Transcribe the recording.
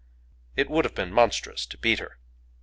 It would have been monstrous to beat her.